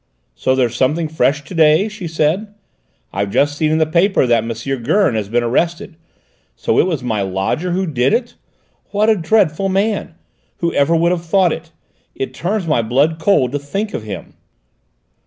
"So there's something fresh to day?" she said. "I've just seen in the paper that M. Gurn has been arrested. So it was my lodger who did it? What a dreadful man! Whoever would have thought it? It turns my blood cold to think of him!"